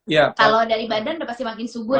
kalau dari badan pasti makin subur